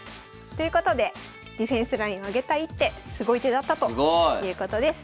ということでディフェンスライン上げた一手すごい手だったということです。